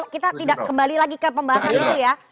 kita tidak kembali lagi ke pembahasan dulu ya